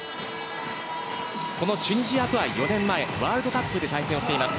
このチュニジアとは４年前ワールドカップで対戦をしています。